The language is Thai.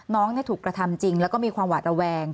น้องถูกกระทำจริงแล้วก็มีความหวาดระแวง